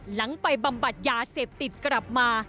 หลังไปบำบัดยาเสพติดกลับมา